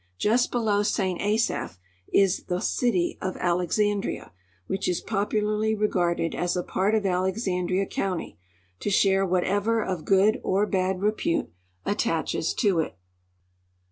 Just below St. Asaph is the city of Alex andria, which is })opularly regarded as a part of Alexandria county, to share whatever of good or l)ad repute attaches to it.